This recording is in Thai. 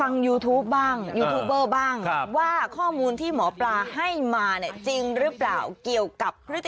นะครับ